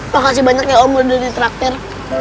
makasih banyak ya om udah ditraktor